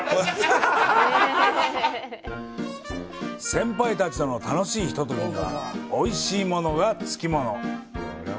先輩たちとの楽しいひとときにはおいしいものがつきもの。